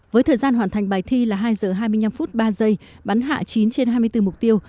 với thời gian hoàn thành bài thi là hai giờ hai mươi năm phút ba giây bắn hạ chín trên hai mươi bốn mục tiêu